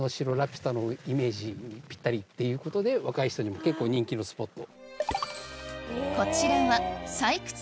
ぴったりということで若い人にも結構人気のスポット。